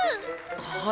はい。